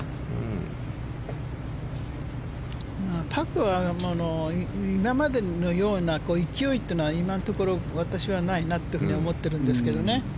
パクは今までのような勢いというのは今のところ私はないなと思ってるんですけどね。